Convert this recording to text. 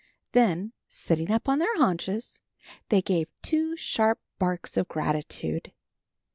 Then, sitting up on their haunches, they gave two sharp barks of gratitude.